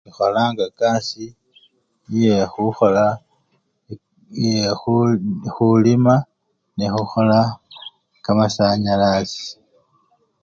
Ikholanga ekasii iyekhukhola! iye kh! khulima nekhukhola kamasanyalasi.